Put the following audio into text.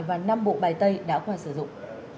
và năm bộ bài tây đã khóa sử dụng